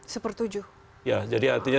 sepertujuh ya jadi artinya